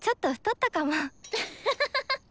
アハハハ！